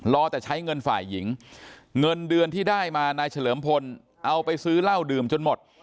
แต่ใช้เงินฝ่ายหญิงเงินเดือนที่ได้มานายเฉลิมพลเอาไปซื้อเหล้าดื่มจนหมด